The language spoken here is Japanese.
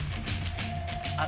あっ